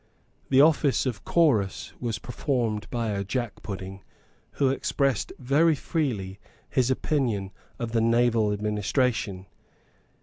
The office of Chorus was performed by a Jackpudding who expressed very freely his opinion of the naval administration.